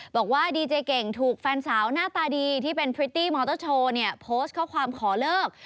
บอกว่าดีเจเก่งถูกแฟนสาวหน้าตาดีที่เป็นพริตตี้มอเตอร์โชว์เนี่ยโพสต์ข้อความขอเลิก